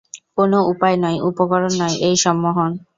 কোনো উপায় নয়, উপকরণ নয়, এই সম্মোহন।